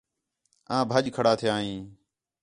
آں ٻُجھ کھڑا تِھیا ہیں